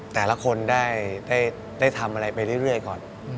แต่ละคนได้ทำอะไรไปเรื่อยก่อน